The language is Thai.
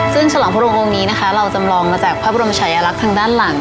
ซึ่งฉลองพระองค์นี้นะคะเราจำลองมาจากพระบรมชายลักษณ์ทางด้านหลัง